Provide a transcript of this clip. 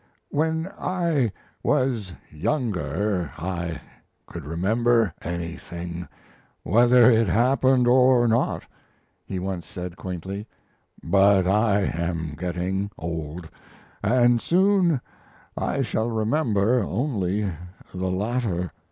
"When I was younger I could remember anything, whether it happened or not," he once said, quaintly, "but I am getting old, and soon I shall remember only the latter."